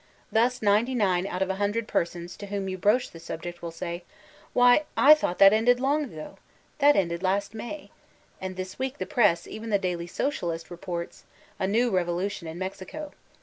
Thus ninety nine out of a hundred persons to whom you broach the subject will say, "Why, I thought that ended long ago. That ended last Ma/'; and this week the press, even the Daily Socialist, re ports, *'A new revolution in Mexico."